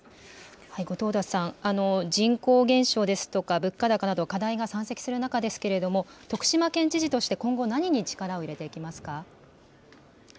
後藤田さん、人口減少ですとか、物価高など、課題が山積する中ですけれども、徳島県知事として今後、何に力を入れていきますか？